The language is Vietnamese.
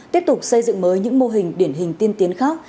tiếp tục xây dựng mới những mô hình điển hình tiên tiến khác